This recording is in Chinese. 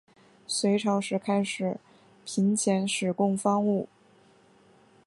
隋朝时开始频遣使贡方物。